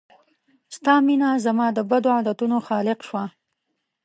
ستا مينه زما د بدو عادتونو خالق شوه